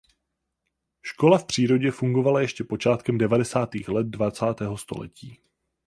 Škola v přírodě fungovala ještě počátkem devadesátých let dvacátého století.